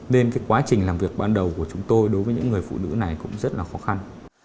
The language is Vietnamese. nên cái quá trình làm việc ban đầu của chúng tôi đối với những người phụ nữ này cũng rất là khó khăn